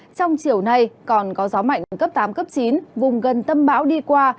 trong chiều nay còn có gió mạnh cấp tám cấp chín vùng gần tâm bão đi qua